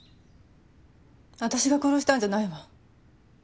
私が殺したんじゃないわ。